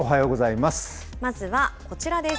まずはこちらです。